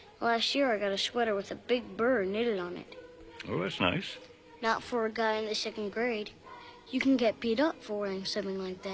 はい。